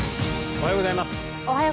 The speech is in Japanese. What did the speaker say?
おはようございます。